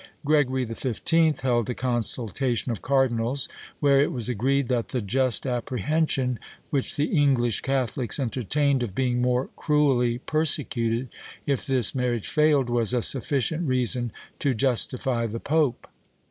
Gregory XV. held a consultation of cardinals, where it was agreed that the just apprehension which the English catholics entertained of being more cruelly persecuted, if this marriage failed, was a sufficient reason to justify the pope.